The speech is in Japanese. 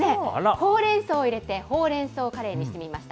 ほうれん草を入れてほうれん草カレーにしてみました。